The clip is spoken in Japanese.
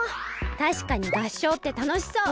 たしかに合唱ってたのしそう！